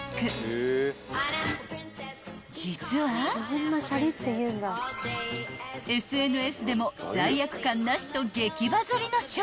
［実はＳＮＳでも「罪悪感なし」と激バズりの商品］